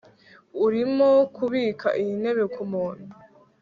urimo kubika iyi ntebe kumuntu